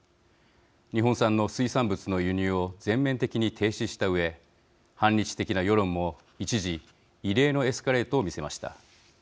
日本産の水産物の輸入を全面的に停止したうえ反日的な世論も一時異例のエスカレートを見せました。